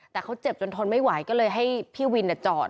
แต่เขาเจ็บจนทนไม่ไหวก็เลยให้พี่วินจอด